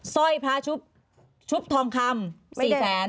ร้อยพระชุบทองคำ๔แสน